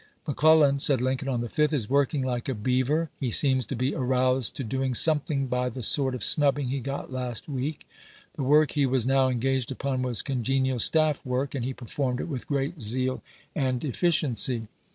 " McClellan," said Lin Diary, coin on the 5th, "is working like a beaver. He pope's vikginia campaign 29 seems to be aroused to doing sometMng by the sort chap. i. of snubbing he got last week." The work he was now engaged upon was congenial staff work, and he performed it with great zeal and efficiency.